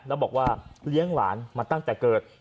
แล้วบอกว่าเลี้ยงหลานมาตั้งแต่เกิด